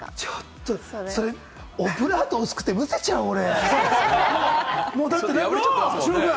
ちょっとそれオブラート薄くて、むせちゃう、俺。